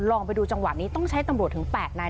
ลองไปดูจังหวะนี้ต้องใช้ตำรวจถึง๘นาย